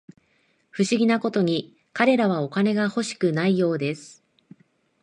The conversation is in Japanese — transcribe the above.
不思議なことに、彼らはお金が欲しくないようです